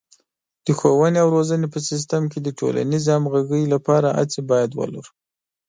د ښوونې او روزنې په سیستم کې د ټولنیزې همغږۍ لپاره هڅې باید ولرو.